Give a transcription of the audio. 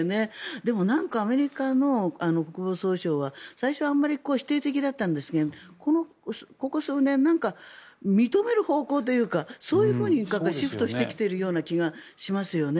でも、なんかアメリカの国防総省は最初、否定的だったんですがここ数年、認める方向というかそういうふうにシフトしてきているような気がしますよね。